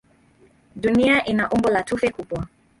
Dunia ina umbo la tufe kubwa.